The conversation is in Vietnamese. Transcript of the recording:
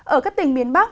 ở các tỉnh miền bắc